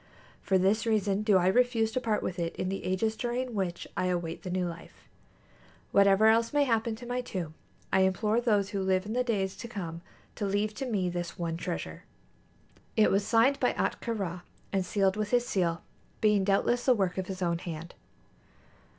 For this reason do I refuse to part with it in the ages during which I await the new life. Whatever else may happen to my tomb, I implore those who live in the days to come to leave to me this one treasure." [A] Ethiopia. [B] Egypt. It was signed by Ahtka Rā and sealed with his seal, being doubtless the work of his own hand.